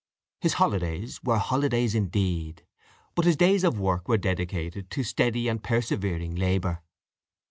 His holidays were holidays indeed; but his days of work were dedicated to steady and persevering labour.